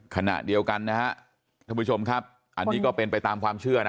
ขณะเดียวกันนะฮะท่านผู้ชมครับอันนี้ก็เป็นไปตามความเชื่อนะ